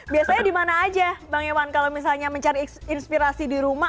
biasanya dimana aja bang iwan kalau misalnya mencari inspirasi di rumah